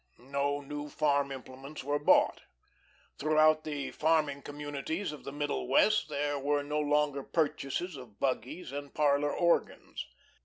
No new farm implements were bought. Throughout the farming communities of the "Middle West" there were no longer purchases of buggies and parlour organs.